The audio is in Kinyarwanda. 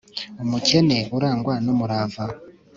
umukene urangwa n'umurava